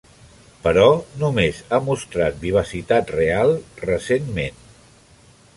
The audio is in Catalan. Però només ha mostrat vivacitat real recentment.